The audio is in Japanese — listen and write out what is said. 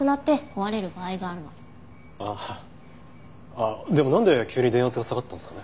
あっでもなんで急に電圧が下がったんですかね？